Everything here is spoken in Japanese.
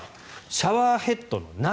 シャワーヘッドの中。